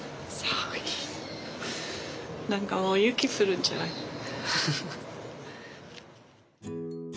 何かもう雪降るんじゃない？